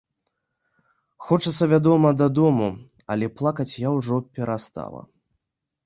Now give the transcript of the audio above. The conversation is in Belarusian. Хочацца, вядома, дадому, але плакаць я ўжо перастала.